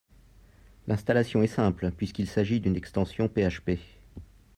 L'installation est simple puisqu'il s'agisse d'une extension PHP